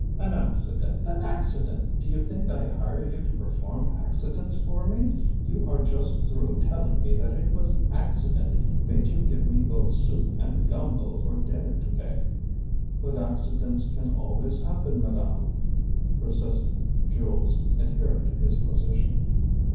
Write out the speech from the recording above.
"An accident! An accident! Do you think I hire you to perform accidents for me? You are just through telling me that it was accident made you give me both soup and gumbo for dinner today." "But accidents can always happen, madame," persisted Jules, adhering to his position.